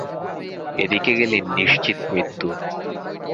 এদিকে গেলে নিশ্চিত মৃত্যু!